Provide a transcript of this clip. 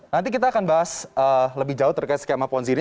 nanti kita akan bahas lebih jauh terkait skema ponzi ini